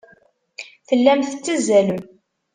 Tellam tettazzalem.